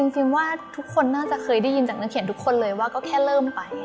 จริงว่าทุกคนน่าจะเคยได้ยินจากนักเขียนทุกคนเลยว่าก็แค่เริ่มไป